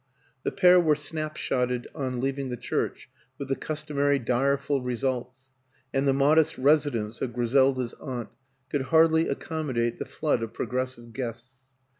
The pair were snapshotted on leaving the church with the customary direful results, and the modest residence of Griselda's aunt could hardly accommodate the flood of pro gressive guests.